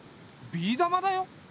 ビー玉だよ。